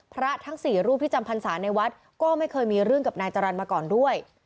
ทั้ง๔รูปที่จำพรรษาในวัดก็ไม่เคยมีเรื่องกับนายจรรย์มาก่อนด้วย